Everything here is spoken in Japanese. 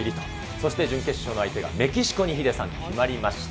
そして準決勝の相手がメキシコに、ヒデさん、決まりました。